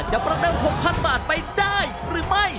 ประเดิม๖๐๐๐บาทไปได้หรือไม่